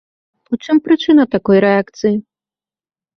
У чым прычына такой рэакцыі?